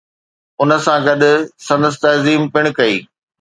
ان سان گڏ سندس تعظيم پڻ ڪئي